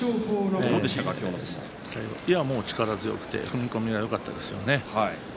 今日は力が強くて踏み込みがよかったですね。